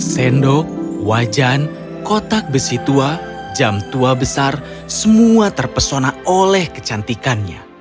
sendok wajan kotak besi tua jam tua besar semua terpesona oleh kecantikannya